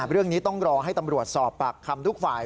เรื่องนี้ต้องรอให้ตำรวจสอบปากคำทุกฝ่าย